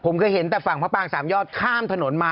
ผมเคยเห็นแต่ฝั่งพระปางสามยอดข้ามถนนมา